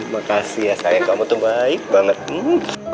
makasih ya saya kamu tuh baik banget